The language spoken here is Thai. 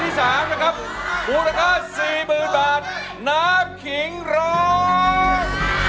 เพลงที่๓มูลค่า๔๐๐๐๐บาทนับขิงร้อง